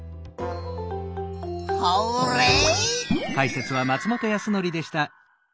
ホーレイ！